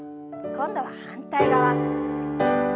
今度は反対側。